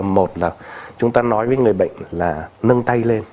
một là chúng ta nói với người bệnh là nâng tay lên